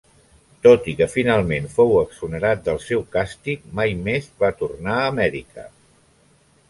Tot i que finalment fou exonerat del seu càstig mai més va tornar a Amèrica.